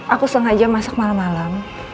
aku sengaja masak malam malam